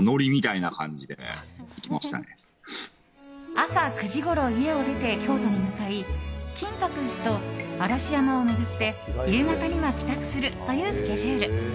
朝９時ごろ家を出て京都に向かい金閣寺と嵐山を巡って夕方には帰宅するというスケジュール。